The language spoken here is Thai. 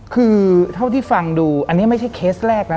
คือเท่าที่ฟังดูอันนี้ไม่ใช่เคสแรกนะ